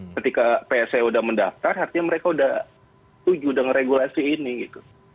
ketika pse udah mendaftar artinya mereka sudah setuju dengan regulasi ini gitu